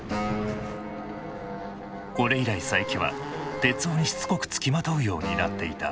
これ以来佐伯は徹生にしつこくつきまとうようになっていた。